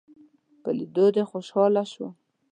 په ليدو دې خوشحاله شوم